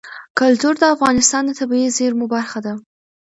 کلتور د افغانستان د طبیعي زیرمو برخه ده.